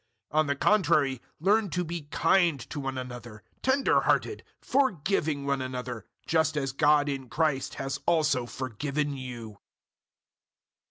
004:032 On the contrary learn to be kind to one another, tender hearted, forgiving one another, just as God in Christ has also forgiven you.